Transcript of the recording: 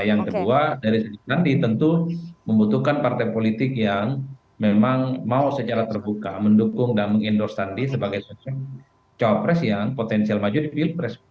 yang kedua dari segi nanti tentu membutuhkan partai politik yang memang mau secara terbuka mendukung dan mengendorse sandi sebagai sosok cawapres yang potensial maju di pilpres